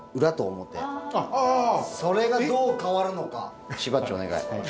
それがどう変わるのかしばっちょお願い。